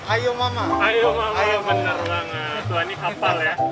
ayo bener banget tuhan ini hafal ya